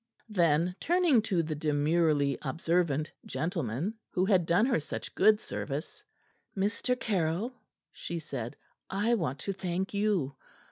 Then turning to the demurely observant gentleman who had done her such good service, "Mr. Caryll" she said, "I want to thank you.